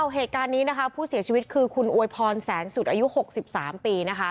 เหตุการณ์นี้นะคะผู้เสียชีวิตคือคุณอวยพรแสนสุดอายุ๖๓ปี